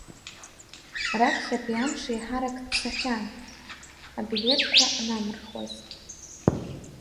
Раԥхьатәи амш еиҳарак цахьан, аблеҭқәа анамырхуаз.